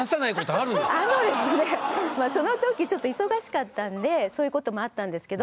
あのですねその時ちょっと忙しかったんでそういうこともあったんですけど。